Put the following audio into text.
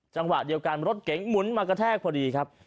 จังหวะเดียวกันรถเก๋งหมุนมากระแทกพอดีครับ